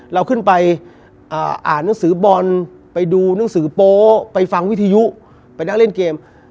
เราขึ้นไปอ่านหนังสือบอลไปดูหนังสือโป๊ไปฟังวิทยุไปนั่งเล่นเกม